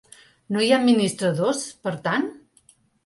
No hi ha administradors, per tant?